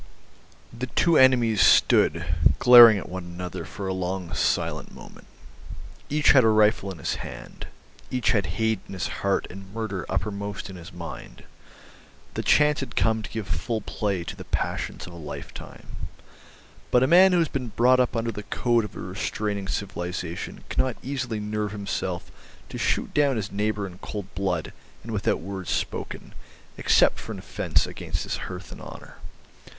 The two enemies stood glaring at one another for a long silent moment. Each had a rifle in his hand, each had hate in his heart and murder uppermost in his mind. The chance had come to give full play to the passions of a lifetime. But a man who has been brought up under the code of a restraining civilisation cannot easily nerve himself to shoot down his neighbour in cold blood and without word spoken, except for an offence against his hearth and honour.